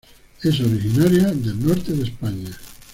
Es originaria del norte de España.